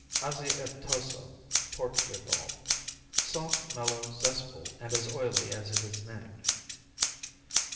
Azeitoso Portugal Soft; mellow, zestful and as oily as it is named.